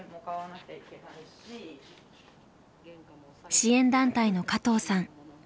支援団体の加藤さん。